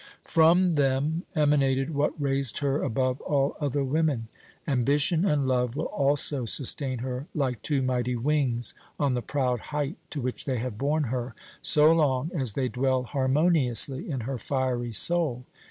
From them emanated what raised her above all other women. Ambition and love will also sustain her like two mighty wings on the proud height to which they have borne her, so long as they dwell harmoniously in her fiery soul.